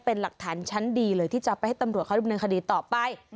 เป็นหลักฐานชั้นดีเลยที่จะไปให้ตำรวจเขาดำเนินคดีต่อไป